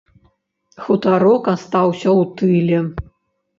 Хутарок астаўся ў тыле.